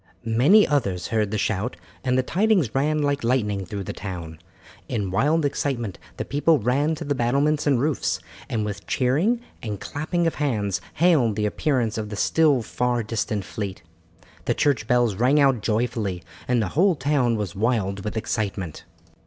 Many others heard the shout, and the tidings ran like lightning through the town. In wild excitement the people ran to the battlements and roofs, and with cheering and clapping of hands hailed the appearance of the still far distant fleet. The church bells rang out joyfully and the whole town was wild with excitement.